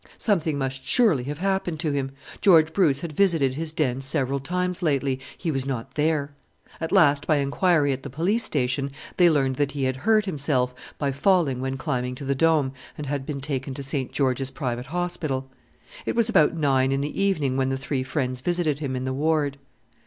Something must surely have happened to him! George Bruce had visited his den several times lately; he was not there. At last by inquiry at the police station they learnt that he had hurt himself by falling when climbing to the Dome, and had been taken to St. George's Private Hospital. It was about nine in the evening when the three friends visited him in the ward.